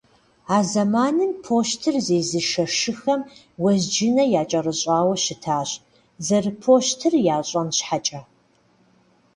А зэманым пощтыр зезышэ шыхэм уэзджынэ якӏэрыщӏауэ щытащ, зэрыпощтыр ящӏэн щхьэкӏэ.